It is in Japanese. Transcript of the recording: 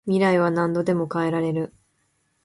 未来は何度でも変えられる